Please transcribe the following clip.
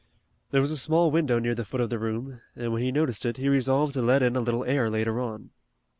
There was a small window near the foot of the room, and when he noticed it he resolved to let in a little air later on.